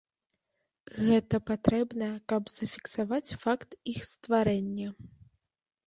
Гэта патрэбна, каб зафіксаваць факт іх стварэння.